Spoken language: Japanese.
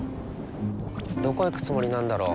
どこ行くつもりなんだろ。